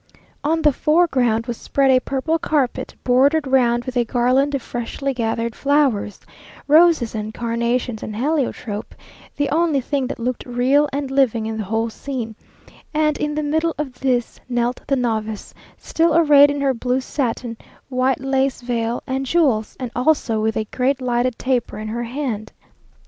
On the foreground was spread a purple carpet bordered round with a garland of freshly gathered flowers, roses and carnations and heliotrope, the only thing that looked real and living in the whole scene; and in the middle of this knelt the novice, still arrayed in her blue satin, white lace veil and jewels, and also with a great lighted taper in her hand.